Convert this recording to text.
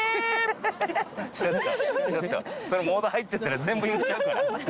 それモード入っちゃったら全部言っちゃうから。